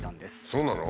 そうなの？